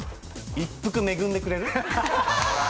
一服恵んでくれる。